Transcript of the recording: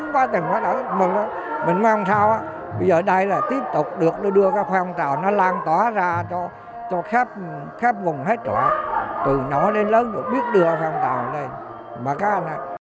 bây giờ đây là tiếp tục được đưa các hoàng tàu nó lan tỏa ra cho khắp vùng hết trò từ nó lên lớn rồi biết đưa hoàng tàu lên